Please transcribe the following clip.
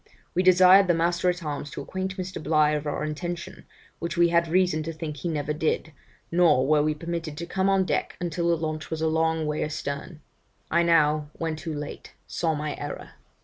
We desired the master at arms to acquaint Mr. Bligh of our intention, which we had reason to think he never did, nor were we permitted to come on deck until the launch was a long way astern. I now, when too late, saw my error.